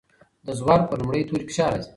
د زور پر لومړي توري فشار راځي.